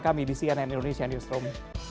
kami di cnn indonesia newsroom